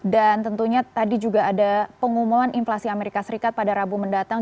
dan tentunya tadi juga ada pengumuman inflasi amerika serikat pada rabu mendatang